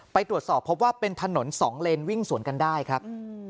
ไปตรวจสอบพบว่าเป็นถนนสองเลนวิ่งสวนกันได้ครับ